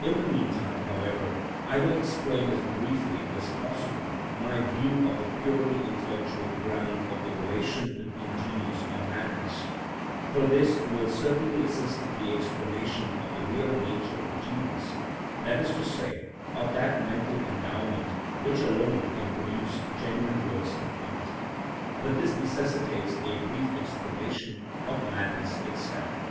In the meantime, however, I will explain as briefly as possible my view of the purely intellectual ground of the relation between genius and madness, for this will certainly assist the explanation of the real nature of genius, that is to say, of that mental endowment which alone can produce genuine works of art. But this necessitates a brief explanation of madness itself.